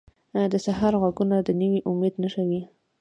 د سهار ږغونه د نوي امید نښه وي.